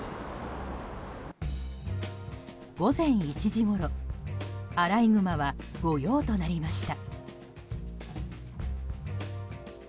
午前１時ごろ、アライグマは御用となりました。